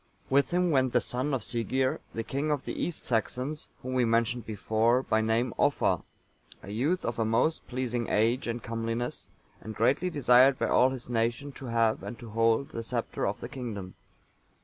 With him went the son of Sighere,(887) the king of the East Saxons whom we mentioned before, by name Offa, a youth of a most pleasing age and comeliness, and greatly desired by all his nation to have and to hold the sceptre of the kingdom.